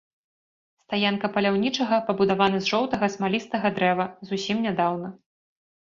Стаянка паляўнічага пабудавана з жоўтага смалістага дрэва зусім нядаўна.